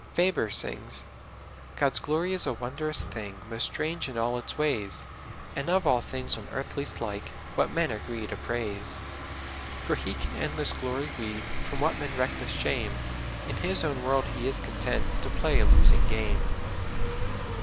Faber sings :" God's glory is a wondrous thing, INIost strange in all its ways, And of all things on earth least like What men agree to praise. " For He can endless glory weave, PYom what men reckon shame ; In His own world He is content To play a losing game."